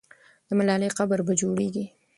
د ملالۍ قبر به جوړېږي.